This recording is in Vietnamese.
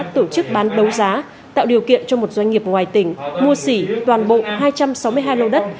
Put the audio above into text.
tổ chức bán đấu giá tạo điều kiện cho một doanh nghiệp ngoài tỉnh mua xỉ toàn bộ hai trăm sáu mươi hai lô đất